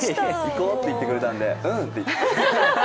「行こう」って言ってくれたので、「うん」って。